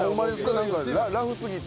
何かラフすぎて。